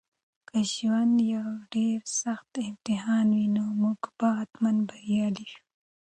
که ژوند یو ډېر سخت امتحان وي نو موږ به حتماً بریالي شو.